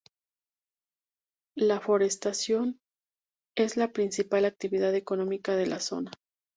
La forestación es la principal actividad económica de la zona.